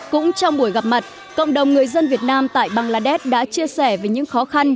cũng trong buổi gặp mặt cộng đồng người dân việt nam tại bangladesh đã chia sẻ về những khó khăn